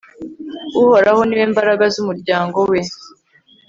uhoraho ni we mbaraga z'umuryango we